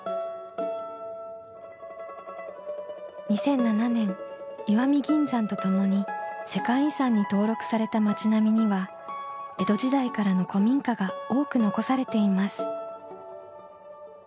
２００７年石見銀山と共に世界遺産に登録された町並みには江戸時代からの古民家が多く残されています。